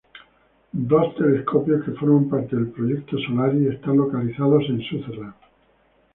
Dos telescopios que forman parte del Proyecto Solaris están localizados en Sutherland.